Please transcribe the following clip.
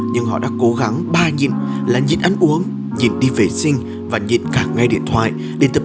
nhưng họ đã cố gắng ba nhịn là nhịn ăn uống nhịn đi vệ sinh và nhịn cả ngay điện thoại để tập